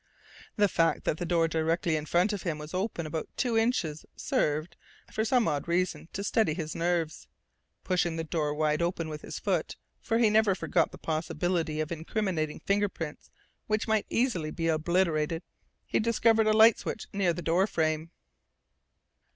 The fact that the door directly in front of him was open about two inches served, for some odd reason, to steady his nerves. Pushing the door wide open with his foot for he never forgot the possibility of incriminating fingerprints which might easily be obliterated, he discovered a light switch near the door frame.